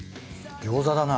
餃子だな。